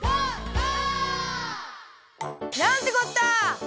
ゴー！」なんてこった！